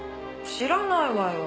知らないわよ。